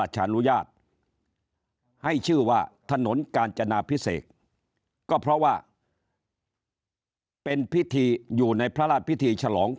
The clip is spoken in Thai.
อนุญาตให้ชื่อว่าถนนกาญจนาพิเศษก็เพราะว่าเป็นพิธีอยู่ในพระราชพิธีฉลอง